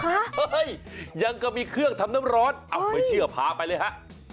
เฮ้ยยังก็มีเครื่องทำน้ำร้อนอ้าวไม่เชื่อพาไปเลยฮะ